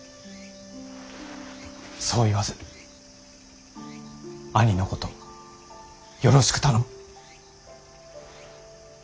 そう言わず兄のことよろしく頼む。